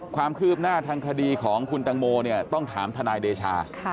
ความคืบหน้าทางคดีของคุณตังโมเนี่ยต้องถามทนายเดชา